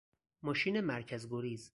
ماشین مرکز گریز